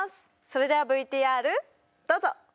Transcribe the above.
それではＶＴＲどうぞ！